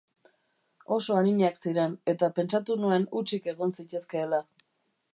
Oso arinak ziren, eta pentsatu nuen hutsik egon zitezkeela.